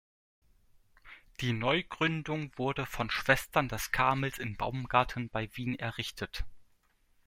Die Neugründung wurde von Schwestern des Karmels in Baumgarten bei Wien errichtet.